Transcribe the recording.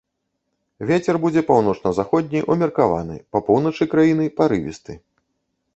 Вецер будзе паўночна-заходні ўмеркаваны, па поўначы краіны парывісты.